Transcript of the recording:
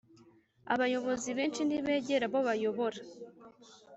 Abayobozi benshi ntibegera abo bayobora